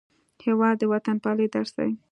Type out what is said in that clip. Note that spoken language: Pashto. هېواد د وطنپالنې درس دی.